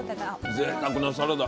ぜいたくなサラダ。